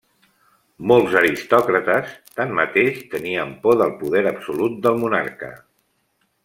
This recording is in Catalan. Molts aristòcrates, tanmateix, tenien por del poder absolut del monarca.